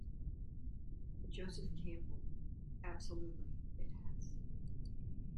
Joseph Campbell: Absolutely, it has.